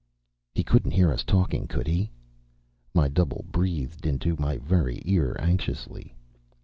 "He couldn't hear us talking could he?" My double breathed into my very ear, anxiously.